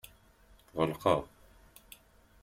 Tɣelqeḍ.